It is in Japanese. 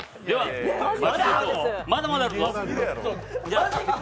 まだまだあるぞ。